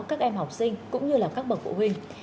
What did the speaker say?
các em học sinh cũng như là các bậc phụ huynh